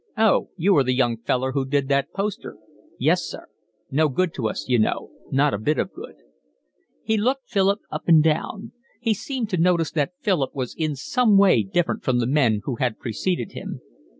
"Oh, you are the young feller who did that poster?" "Yes, sir." "No good to us, you know, not a bit of good." He looked Philip up and down. He seemed to notice that Philip was in some way different from the men who had preceded him.